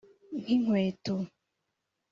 nk’inkweto